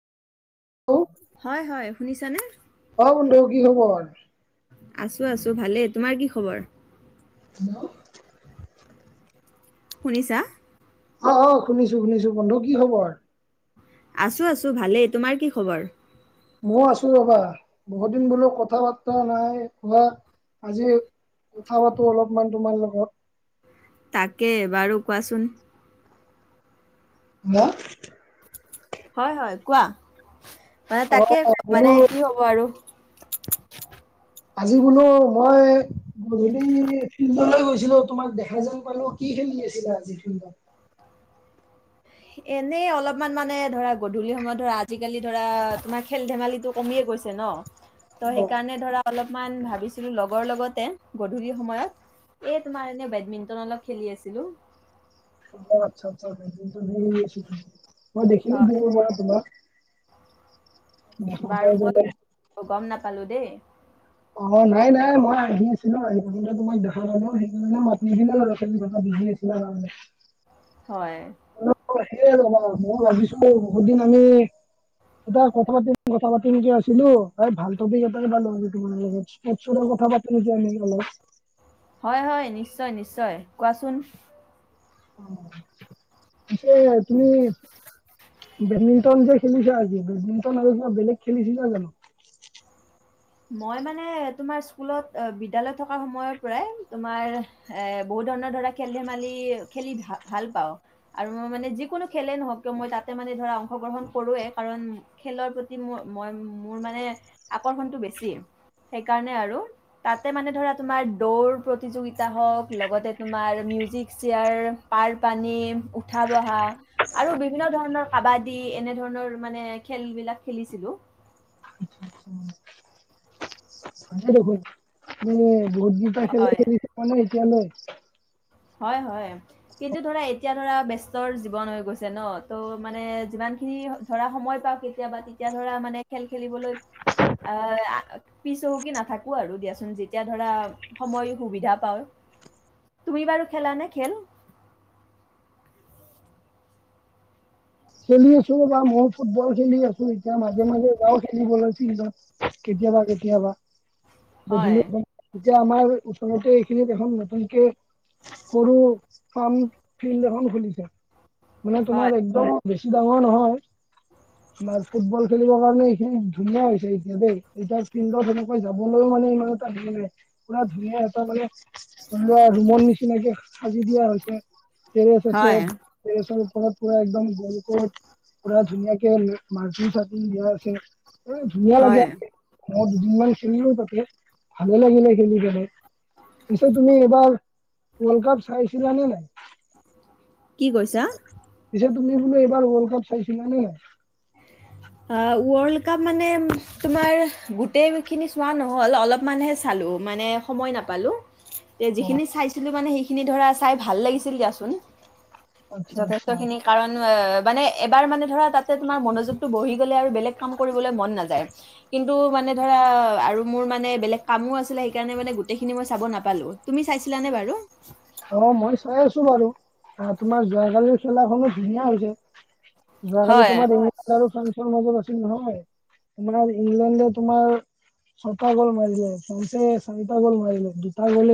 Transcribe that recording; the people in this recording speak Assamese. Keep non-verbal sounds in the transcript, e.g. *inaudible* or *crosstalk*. অ', হয়, হয়, শুনিছানে? অ', বন্ধু কি খবৰ? আছো আছো ভালেই, তোমাৰ কি খবৰ? হেল্ল'? শুনিছা? অ', অ', শুনিছো শুনিছো বন্ধু কি খবৰ? আছো আছো ভালেই, তোমাৰ কি খবৰ? ময়ো আছো ৰ'বা, বহুত দিন বোলো কথা বাৰ্তা নাই হোৱা আজি কথা পাতো অলপমান তোমাৰ লগত। তাকে বাৰু কোৱাচোন। মই। হয়, হয়, কোৱা? মানে তাকে মানে বোলো কি হ'ব আৰু। আজি বোলো মই গধূলি ফিল্ডলৈ গৈছিলো, তোমাক দেখা দেখা যেন পালোঁ কি খেলি আছিলা আজি ফিল্ডত? এনেই অলপমান মানে ধৰা গধূলি সময়ত ধৰা আজিকালি ধৰা তোমাৰ খেল-ধেমালিটো কমিয়ে গৈছে ন', ত' অ', সেইকাৰণে ধৰা অলপমান ভাবিছিলো লগৰ লগতে গধূলি সময়ত এ তোমাৰ এনে বেডমিন্টন অলপ খেলি আছিলো। অ', আচ্ছা আচ্ছা *unintelligible* মই দেখিলো হয় দূৰৰ পৰা তোমাক। দেখা বাৰু পাই পেলাই মই, গ'ম নাপালো দেই। অ', নাই নাই মই আহি আছিলো আহি থাকোঁতে তোমাক দোখা পালোঁ, সেইকাৰণে মাতি নিদিলো আৰু খেলি থাকা বিজি আছি লা কাৰনে। হয়। সেয় ৰ'বা মইও ভাবিছো বহুত দিন আমি দুটাই কথা পাতিম কথা পাতিম কে আছিলো, এই ভাল টপিক এটাই পালোঁ আৰু তোমাৰ লগত। *unintelligible* কথা পাতো নেকি আমি অলপ? হয়, হয়, নিশ্চয় নিশ্চয়, কোৱাচোন? তাকে তুমি বেডমিণ্টন যে খেলিছা আজি, বেডমিন্টন আৰু কিবা বেলেগ খেলিছিলা জানো? মই মানে তোমাৰ স্কুলত বিদ্যালয়ত থকা সময়ৰ পৰাই তোমাৰ এ বহুত ধৰণৰ ধৰা খেল ধেমালি খেলি ভা ভাল পাওঁ। আৰু মানে যিকোনো খেলে নহওঁক কিয়, মই তাতে মানে ধৰা অংশগ্ৰহণ কৰোৱেই, কাৰণ খেলৰ প্ৰতি মোৰ, মই মোৰ মানে আকৰ্ষণটো বেছি, সেইকাৰণে আৰু। তাতে মানে ধৰা তোমাৰ দৌৰ প্ৰতিযোগিতা হওঁক, লগতে তোমাৰ মিউজিক চেয়াৰ। পাৰ- পানী, উঠা -বহা। আৰু বিভিন্ন ধৰণৰ কাবাডী, এনে ধৰণৰ মানে খেল বিলাক খেলিছিলো। উম'। হয়ে দেখোন, মানে বহুতকেইটা খেলে হয়। খেলিছোঁ মানে এতিয়ালৈ। হয়, হয়, কিন্তু ধৰা এতিয়া। ধৰা ব্যস্তৰ জীৱন হৈ গৈছে ন, ত' মানে যিমান খিনি ধৰা সময় পাওঁ কেতিয়াবা কে এতিয়া ধৰা মানে খেল খেলিবলৈ। আ' পিছ হুহুকি নাথাকো আৰু দিয়াচোন, যেতিয়া ধৰা। সময় সুবিধা পাওঁ। তুমি বাৰু খেলানে খেল? খেলি আছো, বা ময়ো ফুটবল খেলি আছো, এতিয়া মাজে মাজে যাওঁ খেলিবলৈ ফিল্ডত। কেতিয়াবা, কেতিয়াবা, হয়, গধূলি এতিয়া আমাৰ ওচৰতে এইখিনিত এখন নতুনকে। সৰু পাম ফিল্ড এখন খুলিছে, মানে তোমাৰ হয়, একদম। বেছি ডাঙৰ নহয়। মাৰ ফুটবল খেলিবৰ কাৰণে এইখিনি ধুনীয়া হৈছে কিন্তু দেই, এতিয়া ফিল্ডত এনেকৈ যাবলৈও মানে ইমান। *unintelligible* পুৰা ধুনীয়া এটা মানে। ৰুমৰ নিচিনাকে সাজি দিয়া হৈছে, টেৰেছ আছে। হয়, টেৰছৰ ওচৰত পুৰা একদম। ওপৰত পুৰা ধুনীয়াকে মাৰৰ্কিং চাৰকিং দিয়া আছে, এ ধুনীয়া হয়। লাগে। মই দুদিনমান খেলিলো তাতে, ভালে লাগিলে খেলি পিনে। পিছে তুমি এইবাৰ, ৱৰ্ল্ড কাপ চাইছিলা নে নাই? কি কৈছা? পিছে তুমি বোলোঁ এইবাৰ ৱল্ডকাপ চাইছিলা নে নাই? আ ৱৰ্ল্ডকাপ মানে তোমাৰ গোটেইখিনি চোৱা নহ'ল, অলপমানহে চালোঁ, মানে সময় নাপালোঁ। *inaudible* তে যিখিনি চাইছিলোঁ মানে সেইখিনি ধৰা চাই ভাল লাগিছিল দিয়াচোন। আচ্ছা যথেষ্টখিনি আচ্ছা কাৰণ মানে, এবাৰ মানে ধৰা তাতে তোমাৰ মনযোগ। বহি গ'লে আৰু বেলেগ কাম কৰিবলে মন নাযায়। কিন্তু মানে ধৰা আৰু মোৰ মানে বেলেগ কামো আছিলে, সেইকাৰণে মানে গোটেইখিনি মই চাব নাপালোঁ। তুমি চাইছিলানে বাৰু? অ, মই চাই আছোঁ বাৰু, তোমাৰ যোৱাকালিৰ খেলাখনো ধুনীয়া হৈছে। যোৱাকালি হয় তোমাৰ ইংলেণ্ড আৰু ফ্ৰান্সৰ মাজত আছিল নহয়, তোমাৰ ইংলেণ্ডে তোমাৰ ছটা গোল মাৰিলে, ফ্ৰান্সে চাৰিটা গল মাৰিলে, দুটা গল